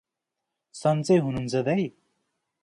सन्चै हुनुहुन्छ दाई?